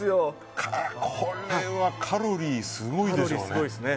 これはカロリーすごいでしょうね。